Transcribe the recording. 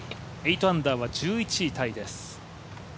８アンダーは１１位タイです。